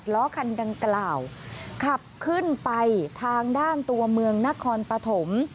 ล้อคันดังกล่าวขับขึ้นไปทางด้านตัวเมืองนครปฐม